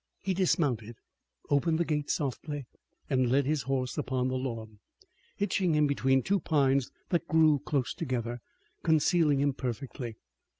He dismounted, opened the gate softly, and led his horse upon the lawn, hitching him between two pines that grew close together, concealing him perfectly.